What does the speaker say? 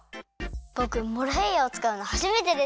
ぼくモロヘイヤをつかうのはじめてです！